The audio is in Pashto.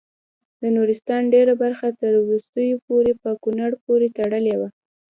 د نورستان ډیره برخه تر وروستیو پورې په کونړ پورې تړلې وه.